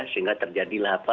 sehingga terjadilah apa